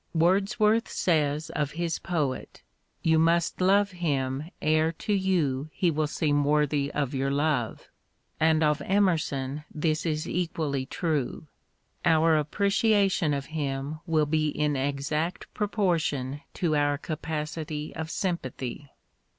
Words worth says of his poet, " You must love him e'er to you he will seem worthy of your love," and of Emerson this is equally true. Our appreciation of him will be in exact proportion to our capacity of sympathy.